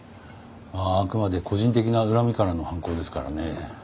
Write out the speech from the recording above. まああくまで個人的な恨みからの犯行ですからね。